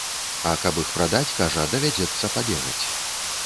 А каб іх прадаць, кажа, давядзецца пабегаць.